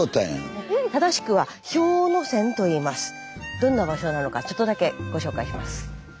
どんな場所なのかちょっとだけご紹介します。